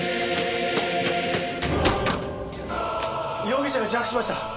容疑者が自白しました。